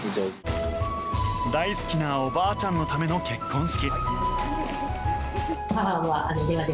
大好きなおばあちゃんのための結婚式。